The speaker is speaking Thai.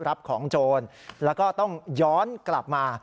รับของโจรแล้วก็ต้องย้อนกลับมา